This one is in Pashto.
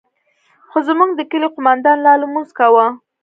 خو زموږ د كلي قومندان لا لمونځ كاوه.